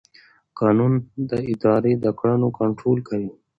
قانون د ادارې د کړنو کنټرول کوي.